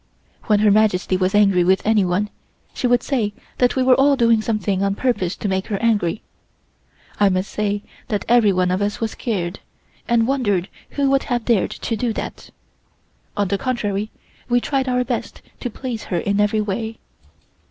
When Her Majesty was angry with anyone, she would say that we were all doing something on purpose to make her angry. I must say that everyone of us was scared, and wondered who would have dared to do that. On the contrary, we tried our best to please her in every way.